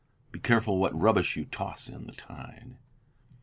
Be careful what rubbish you toss in the tide.